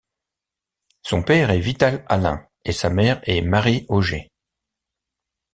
Son père est Vital Allain et sa mère est Mary Auger.